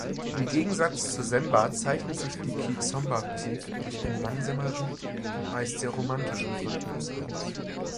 Im Gegensatz zur Semba zeichnet sich die Kizomba-Musik durch einen langsameren und meist sehr romantischen Rhythmus aus.